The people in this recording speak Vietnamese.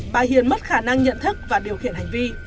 bà hiền mất khả năng nhận thức và điều khiển hành vi